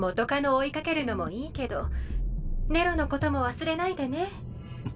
追いかけるのもいいけどネロのことも忘れないでね。